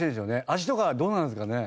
味とかどうなんですかね？